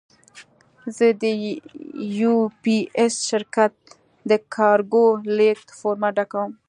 زه د یو پي ایس شرکت د کارګو لېږد فورمه ډکوم.